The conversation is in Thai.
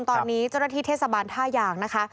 ตอนนี้เจ้าระทิเทศบาล๕อย่างนะคะ